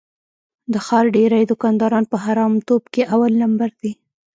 د ښار ډېری دوکانداران په حرامتوب کې اول لمبر دي.